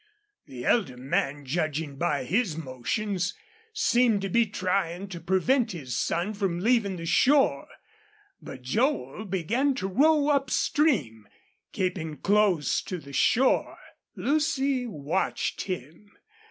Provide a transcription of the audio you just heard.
The elder man, judging by his motions, seemed to be trying to prevent his son from leaving the shore. But Joel began to row up stream, keeping close to the shore. Lucy watched him.